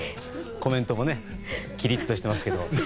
コメントもきりっとしてますけど。